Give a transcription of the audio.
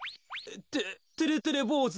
っててれてれぼうず？